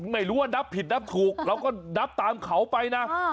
ไม่รู้ว่านับผิดนับถูกเราก็นับตามเขาไปนะ